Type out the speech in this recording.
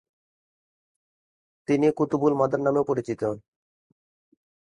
তিনি কুতুব-উল-মাদার নামেও পরিচিত।